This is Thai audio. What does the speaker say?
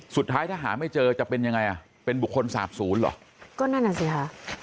สุดท้ายถ้าหาไม่เจอจะเป็นยังไงอ่ะเป็นบุคคลสาบศูนย์เหรอก็นั่นอ่ะสิค่ะ